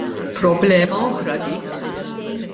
Problema oħra dik.